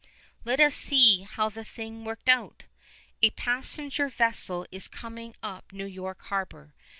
Let us see how the thing worked out. A passenger vessel is coming up New York harbor.